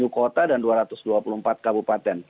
tujuh kota dan dua ratus dua puluh empat kabupaten